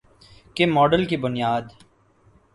کے ماڈل کی بنیاد